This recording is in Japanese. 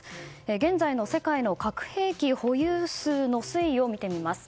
現在の世界の核兵器保有数の推移を見てみます。